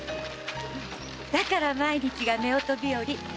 だから毎日が夫婦日和〕